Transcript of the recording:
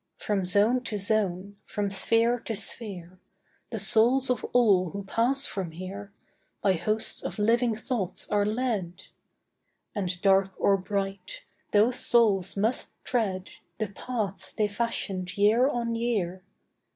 From zone to zone, from sphere to sphere, The souls of all who pass from here By hosts of living thoughts are led; And dark or bright, those souls must tread The paths they fashioned year on year.